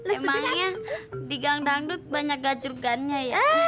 emangnya di gang dangdut banyak gajruggannya ya